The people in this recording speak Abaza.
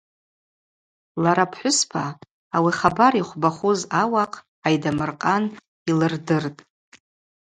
Лара апхӏвыспа ауи ахабар йыхвбахуз ауахъ Айдамыр-къан йлырдыртӏ.